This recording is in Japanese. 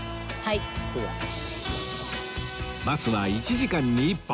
バスは１時間に１本。